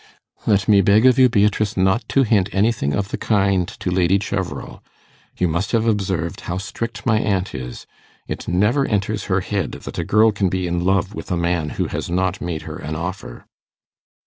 'Let me beg of you, Beatrice, not to hint anything of the kind to Lady Cheverel. You must have observed how strict my aunt is. It never enters her head that a girl can be in love with a man who has not made her an offer.